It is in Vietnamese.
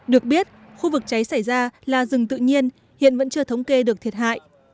được biết khu vực cháy xảy ra là rừng tự nhiên hiện vẫn chưa thống kê được thiệt hại